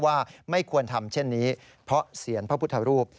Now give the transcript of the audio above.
ว่าไม่ควรทำเช่นนี้เพราะเสียงพระพุทธรูป